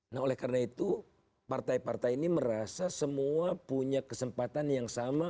nah oleh karena itu partai partai ini merasa semua punya kesempatan yang sama